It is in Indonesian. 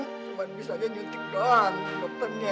cuma bisa aja nyuntik doang dokternya